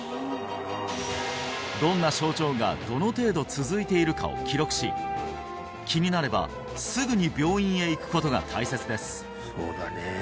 どんな症状がどの程度続いているかを記録し気になればすぐに病院へ行くことが大切です